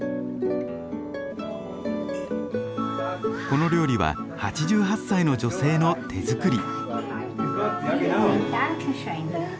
この料理は８８歳の女性の手作り。